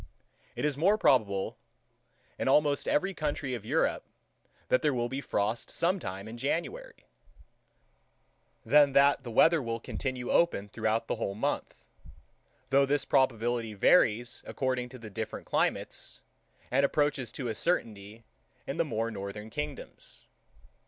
It is more probable, in almost every country of Europe, that there will be frost sometime in January, than that the weather will continue open throughout that whole month; though this probability varies according to the different climates, and approaches to a certainty in the more northern kingdoms.